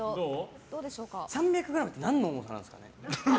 ３００ｇって何の重さなんですかね？